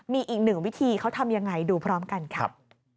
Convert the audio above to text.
มีอีกหนึ่งวิธีเขาทำยังไงดูพร้อมกันครับ